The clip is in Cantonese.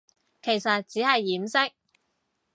其實只係掩飾